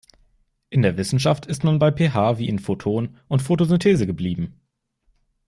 In der Wissenschaft ist man bei P H wie in Photon und Photosynthese geblieben.